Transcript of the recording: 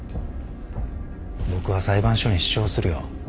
僕は裁判所に主張するよ。